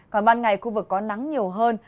còn ban ngày khu vực có nắng nhiều hơn